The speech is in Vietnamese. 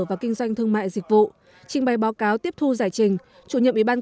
và kinh doanh thương mại dịch vụ trình bày báo cáo tiếp thu giải trình